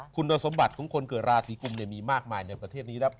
คุณสมบัติของคนเกิดราศีกุมมีมากมายในประเทศนี้แล้ว